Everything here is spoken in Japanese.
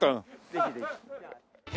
ぜひぜひ。